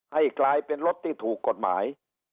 ให้กลายเป็นรถที่ถูกกฎหมาย